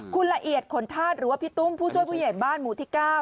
คุณละเอียดขนธาตุหรือว่าพี่ตุ้มผู้ช่วยผู้ใหญ่บ้านหมู่ที่๙